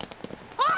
あっ！